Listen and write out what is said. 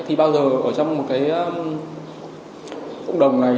thì bao giờ ở trong một cái cộng đồng này